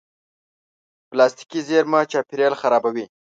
پلاستيکي زېرمه چاپېریال خرابوي.